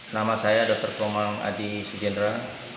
nama saya dr komang adi sujendra